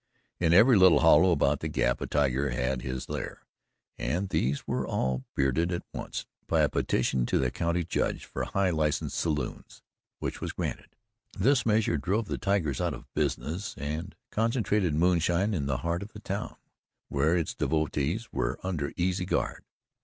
In every little hollow about the Gap a tiger had his lair, and these were all bearded at once by a petition to the county judge for high license saloons, which was granted. This measure drove the tigers out of business, and concentrated moonshine in the heart of the town, where its devotees were under easy guard.